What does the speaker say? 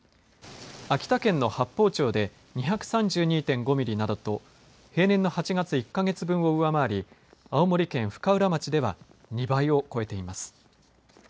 秋田県の八峰町で２３２．５ミリなどと平年の８月１か月分を上回り青森県深浦町では２倍を超えています。